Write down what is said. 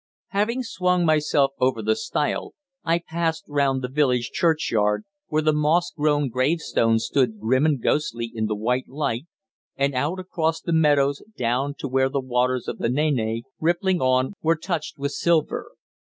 Having swung myself over the stile I passed round the village churchyard, where the moss grown gravestones stood grim and ghostly in the white light, and out across the meadows down to where the waters of the Nene, rippling on, were touched with silver.